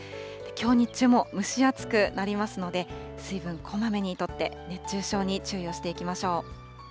きょう日中も蒸し暑くなりますので、水分、こまめにとって熱中症に注意をしていきましょう。